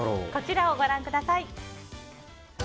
こちらをご覧ください。